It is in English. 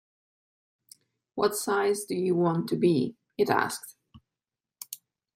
‘What size do you want to be?’ it asked.